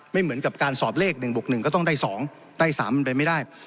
ไม่เหมือนกับการสอบเลขหนึ่งบกหนึ่งก็ต้องได้สองได้สามมันเป็นไม่ได้